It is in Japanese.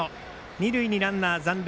二塁にランナー残塁。